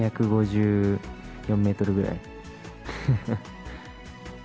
２５４メートルぐらい。